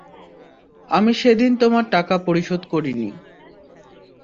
আমি সেদিন তোমার টাকা শোধ করিনি।